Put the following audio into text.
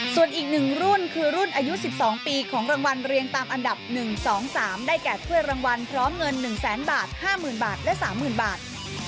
ส่วนอีก๑รุ่นคือรุ่นอายุ๑๒ปีของรางวัลเรียงตามอันดับ๑๒๓ได้แก่ถ้วยรางวัลพร้อมเงิน๑แสนบาท๕๐๐๐บาทและ๓๐๐๐บาท